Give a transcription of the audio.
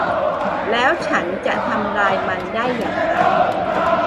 แล้วฉันจะทำลายมันได้อย่างไร